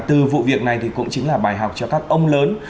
từ vụ việc này thì cũng chính là bài học cho các ông lớn